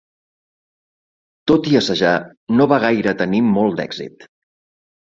Tot i assajar, no va gaire tenir molt d'èxit.